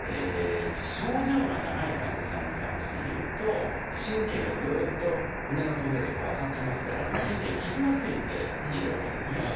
症状が長い患者さんに関して言うと神経がずっと骨のトゲで当たってますから神経に傷がついているわけですね。